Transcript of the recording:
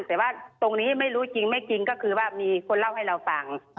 แต่ว่าตรงนี้ไม่รู้จริงไม่จริงก็คือว่ามีคนเล่าให้เราฟัง